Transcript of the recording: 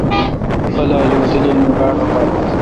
پالا لو تلیل می باڑ ابال؟